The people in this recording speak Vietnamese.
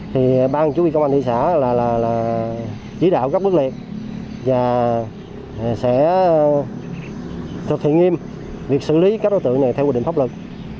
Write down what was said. thì ban chủ yếu công an thị xã là chỉ đạo gấp bước liệt và sẽ thực hiện nghiêm việc xử lý các đối tượng này theo quy định pháp luật